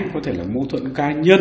có thể là mâu thuẫn cá nhân